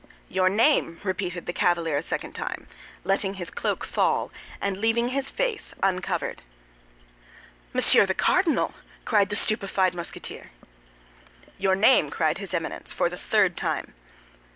"Your name?" repeated the cavalier a second time, letting his cloak fall, and leaving his face uncovered. "Monsieur the Cardinal!" cried the stupefied Musketeer. "Your name?" cried his Eminence, for the third time.